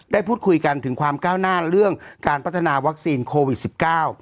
ได้พูดคุยกันถึงความก้าวหน้าเรื่องการพัฒนาวัคซีนโควิดสิบเก้า